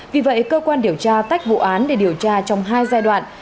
vì vậy cơ quan điều tra tách vụ án để điều tra trong hai giai đoạn